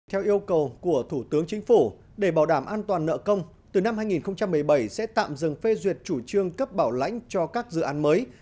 theo yêu cầu của thủ tướng chính phủ để bảo đảm an toàn nợ công từ năm hai nghìn một mươi bảy sẽ tạm dừng phê duyệt chủ trương cấp bảo lãnh cho các dự án mới